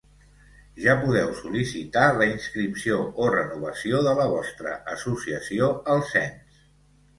Ja podeu sol·licitar la inscripció o renovació de la vostra associació al Cens.